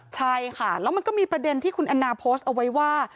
ใช่ค่ะแล้วมันก็มีประเด็นที่คุณแอนนาโพสต์เอาไว้ว่า